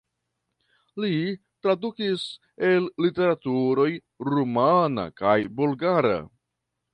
Li tradukis el literaturoj rumana kaj bulgara.